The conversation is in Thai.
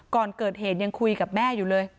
ก่อนเกิดเหตุยังคุยกับแม่อยู่เลย